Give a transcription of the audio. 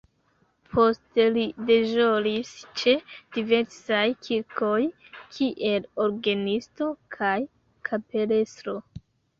Poste li deĵoris ĉe diversaj kirkoj kiel orgenisto kaj kapelestro.